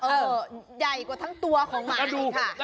ใหญ่กว่าทั้งตัวของหมาอีกค่ะ